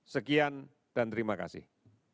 sekian dan terima kasih